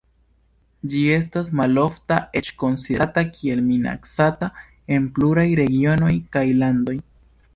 Ĝi estas malofta, eĉ konsiderata kiel minacata en pluraj regionoj kaj landoj.